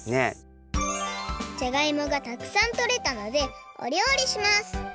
じゃがいもがたくさんとれたのでお料理します！